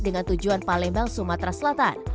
dengan tujuan palembang sumatera selatan